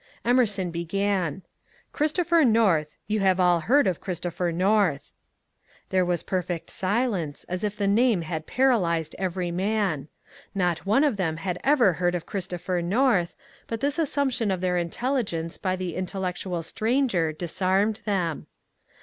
Emerson began :" Christopher North — you have all heard of Christopher North." There was perfect silence, as if the name had paralyzed every man. Not one of them had ever heard of Christopher North, but this assumption of their intelligence by the intellectual stranger disarmed them.